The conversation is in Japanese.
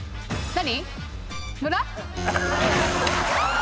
何？